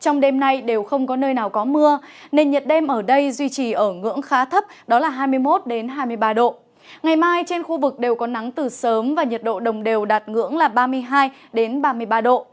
ngày mai trên khu vực đều có nắng từ sớm và nhiệt độ đồng đều đạt ngưỡng là ba mươi hai ba mươi ba độ